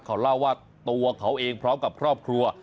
เขาเล่าว่าตัวเขาเองพร้อมกับครอบครัว